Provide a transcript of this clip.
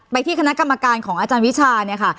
ไปที่คณะกรรมการของอาจารย์วิชาเนี่ยค่ะ